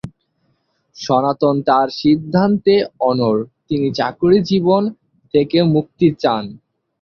সনাতন তার সিদ্ধান্তে অনড়, তিনি চাকুরি জীবন থেকে মুক্তি চান।